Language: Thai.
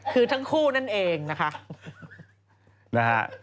คือทั้งคู่นั่นเองนะคะ